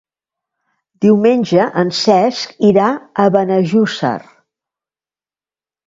Diumenge en Cesc irà a Benejússer.